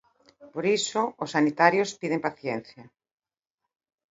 Por iso, os sanitarios piden paciencia.